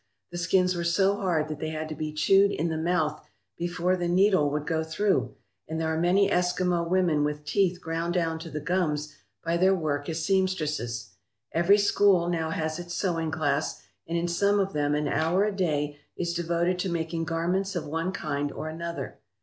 The skins were so hard that they had to be chewed in the mouth before the needle would go through, and there are many Eskimo women with teeth ground down to the gums by their work as seamstresses. Every school now has its sewing class, and in some of them an hour a day is devoted to making garments of one kind or another.